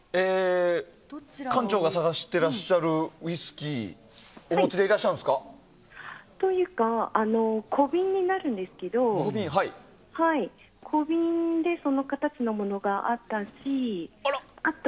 館長が探してらっしゃるウイスキーをお持ちでいらっしゃるんですか？というか、小瓶になるんですが小瓶でその形のものがあって。